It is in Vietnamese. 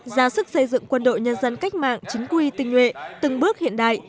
ra sức xây dựng quân đội nhân dân cách mạng chính quy tinh nhuệ từng bước hiện đại